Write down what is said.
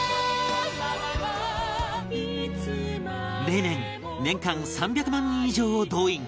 例年年間３００万人以上を動員